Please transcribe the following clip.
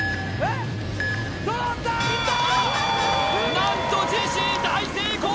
何とジェシー大成功！